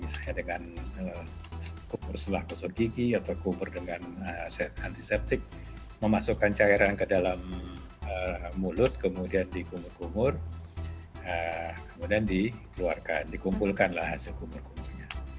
sesuai dengan kubur setelah kosong gigi atau kubur dengan antiseptik memasukkan cairan ke dalam mulut kemudian dikumur kumur kemudian dikeluarkan dikumpulkanlah hasil kumur kumurnya